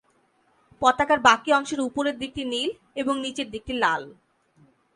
পতাকার বাকি অংশের উপরের দিকটি নীল, এবং নিচের দিকটি লাল।